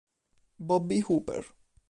Bobby Hooper